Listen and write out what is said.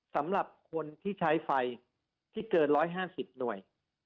สำหรับคนที่ใช้ไฟที่เกิน๑๕๐หน่วย